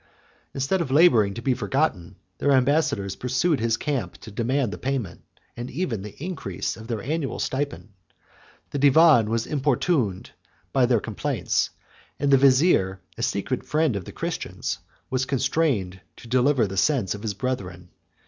11 Instead of laboring to be forgotten, their ambassadors pursued his camp, to demand the payment, and even the increase, of their annual stipend: the divan was importuned by their complaints, and the vizier, a secret friend of the Christians, was constrained to deliver the sense of his brethren.